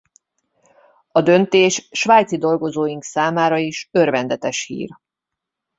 A döntés svájci dolgozóink számára is örvendetes hír.